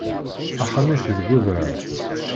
Axxam-ik deg udrar.